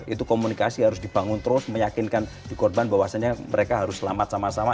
itu komunikasi harus dibangun terus meyakinkan si korban bahwasannya mereka harus selamat sama sama